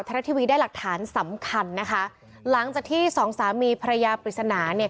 รัฐทีวีได้หลักฐานสำคัญนะคะหลังจากที่สองสามีภรรยาปริศนาเนี่ย